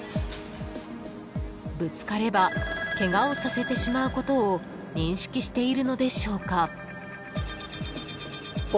［ぶつかればケガをさせてしまうことを認識しているのでしょうか？］